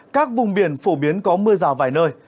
các vùng biển phổ biến có mưa rào vài nơi